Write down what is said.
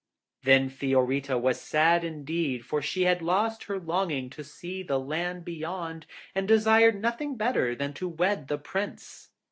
Then Fiorita was sad indeed, for she had lost her longing to see the land Beyond, and desired nothing better than to wed the Prince.